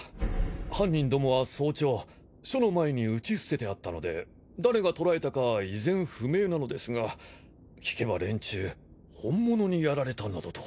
犯人どもは早朝署の前に打ち捨ててあったので誰が捕らえたか依然不明なのですが聞けば連中本物にやられたなどと。